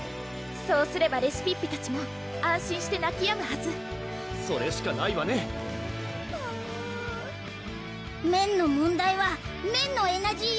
そうすればレシピッピたちも安心してなきやむはずそれしかないわねはうぅ麺の問題は麺のエナジー